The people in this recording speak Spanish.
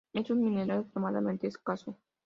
Es un mineral extremadamente escaso.